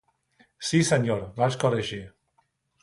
Sí senyor, vaig corregir.